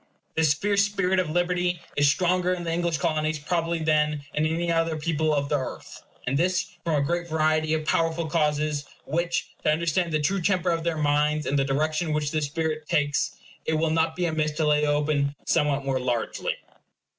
This fierce spirit of liberty is stronger in the English Colonies probably than in any other people of the earth, and this from a great variety of powerful causes; which, to understand the true temper of their minds and the direction which this spirit takes, it will not be amiss to lay open somewhat more largely.